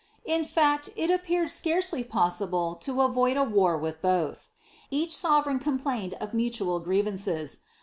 In fact, il appeared scarcely possible lo aroid a war with both. Euk sovereign complained of mutual grievances.